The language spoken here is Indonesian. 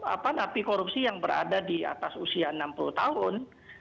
apa napi korupsi yang berada di atas usia enam puluh tahun